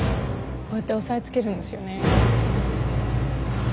こうやって押さえつけるんですよね。